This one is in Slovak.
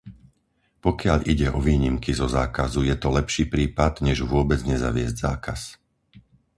Pokiaľ ide o výnimky zo zákazu, je to lepší prípad, než vôbec nezaviesť zákaz.